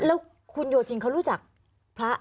แล้วคุณโยจินเขารู้จักพระ